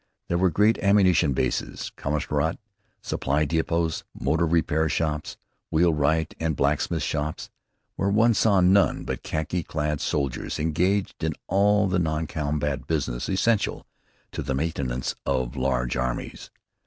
There were great ammunition bases, commissariat supply depots, motor repair shops, wheel wright and blacksmith shops, where one saw none but khaki clad soldiers engaged in all the noncombatant business essential to the maintenance of large armies.